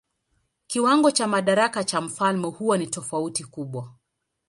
Kiwango cha madaraka cha mfalme huwa na tofauti kubwa.